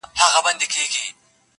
پوره اته دانې سمعان ويلي كړل_